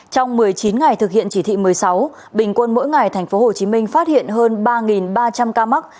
trong một mươi chín ngày thực hiện chỉ thị một mươi sáu bình quân mỗi ngày tp hcm phát hiện hơn ba ba trăm linh ca mắc